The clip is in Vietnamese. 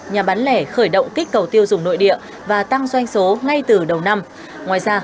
nhà bán lẻ khởi động kích cầu tiêu dùng nội địa và tăng doanh số ngay từ đầu năm ngoài ra